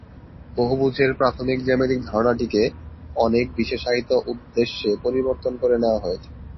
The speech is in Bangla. বহুভুজের প্রাথমিক জ্যামিতিক ধারণাটিকে অনেক বিশেষায়িত উদ্দেশ্যে পরিবর্তন করে নেওয়া হয়েছে।